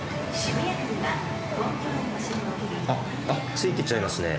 ついていっちゃいますね。